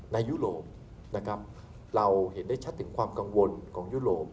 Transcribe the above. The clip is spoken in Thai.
ยุโรปนะครับเราเห็นได้ชัดถึงความกังวลของยุโรป